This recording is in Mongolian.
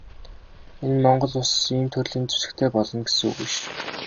Энэ нь Монгол Улс ийм төрлийн зэвсэгтэй болно гэсэн үг биш.